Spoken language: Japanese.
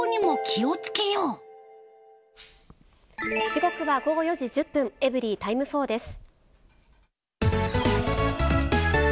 時刻は午後４時１０分、エブリィタイム４です。